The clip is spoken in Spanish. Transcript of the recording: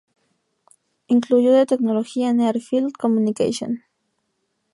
Se incluyó de tecnología Near Field Communication.